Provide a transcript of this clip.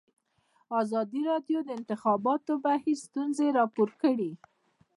ازادي راډیو د د انتخاباتو بهیر ستونزې راپور کړي.